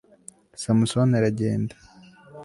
samusoni aragenda